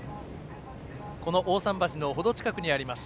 この大さん橋のほど近くにあります